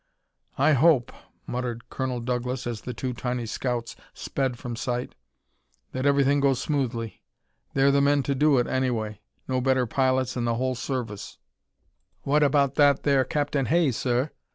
"I hope," muttered Colonel Douglas as the two tiny scouts sped from sight, "that everything goes smoothly. They're the men to do it, anyway. No better pilots in the whole service." "Wot abaht that there Captain Hay, sir?"